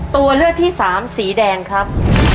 ตัวเลือกที่สามสีแดงครับ